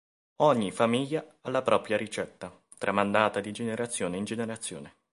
Ogni famiglia ha la propria ricetta, tramandata di generazione in generazione.